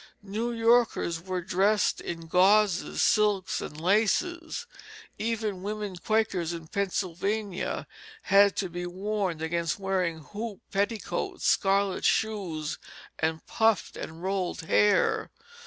New Yorkers were dressed in gauzes, silks, and laces; even women Quakers in Pennsylvania had to be warned against wearing hoop petticoats, scarlet shoes, and puffed and rolled hair.